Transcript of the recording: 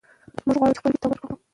موږ غواړو چې خپلې ژبې ته وده ورکړو.